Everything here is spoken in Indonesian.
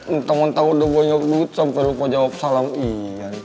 entah entah udah banyak duit sampai lupa jawab salam iyan